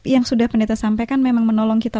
yang sudah peneta sampaikan memang menolong kita